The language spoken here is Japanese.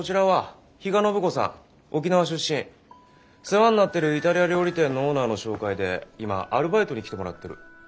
世話になってるイタリア料理店のオーナーの紹介で今アルバイトに来てもらってる。